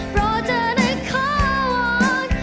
โปรดเธอนักขวด